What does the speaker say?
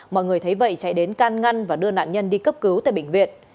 mọi người thấy vậy chạy đến can ngăn và đưa nạn nhân đi cấp cứu tại bệnh viện